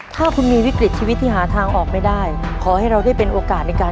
ถ้าคุณมีวิกฤตชีวิตที่หาทางออกไม่ได้ขอให้เราได้เป็นโอกาสในการ